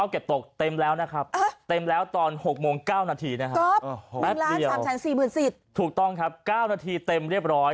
เก็บโต๊ะเต็มแล้วนะครับตั้งแล้วตอน๖โมง๙นาที๑๒๓๔๐๔ถูกต้องครับก้าวนาทีเต็มเรียบร้อย